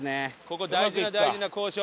ここ大事な大事な交渉。